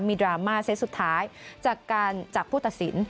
มีดราม่าเซตสุดท้ายจากผู้ตัดสิน